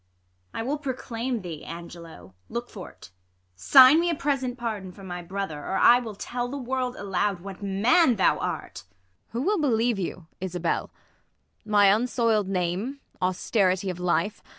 I will proclaim thee, Angelo, look for't ; Sign me a present pardon for my brother, Or I will tell the world aloud What man thou art. Ang. Who will believe you, Isabell 1 My unsoil'd name, austerity of life.